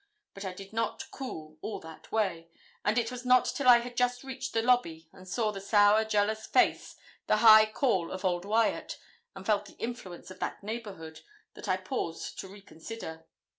But I did not cool all that way; and it was not till I had just reached the lobby, and saw the sour, jealous face, and high caul of old Wyat, and felt the influence of that neighbourhood, that I paused to reconsider.